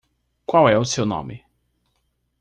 Qual é o seu nome?